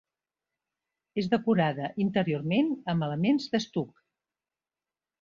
És decorada, interiorment, amb elements d'estuc.